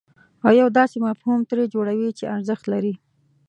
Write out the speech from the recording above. او یو داسې مفهوم ترې جوړوئ چې ارزښت لري.